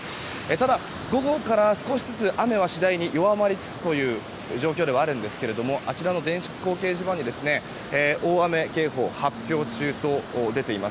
ただ、午後から少しずつ雨は次第に弱まりつつある状況ではあるんですがあちらの電光掲示板には大雨警報発表中と出ています。